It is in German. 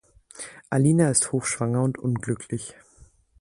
Alina ist hochschwanger und unglücklich.